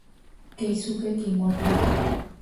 Keisuke Kimoto